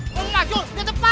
kalau mau mundur lihat depan